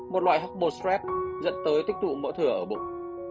một loại hcb stress dẫn tới tích tụ mỡ thừa ở bụng